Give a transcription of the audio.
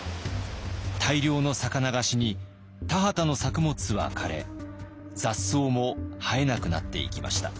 大量の魚が死に田畑の作物は枯れ雑草も生えなくなっていきました。